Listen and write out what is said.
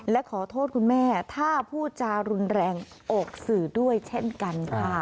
และขอโทษคุณแม่ถ้าพูดจารุนแรงออกสื่อด้วยเช่นกันค่ะ